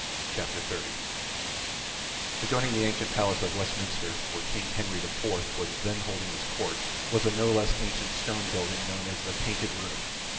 CHAPTER 30 Adjoining the ancient palace of Westminster, where King Henry IV was then holding his court, was a no less ancient stone building known as the Painted Room.